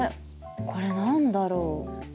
これ何だろう？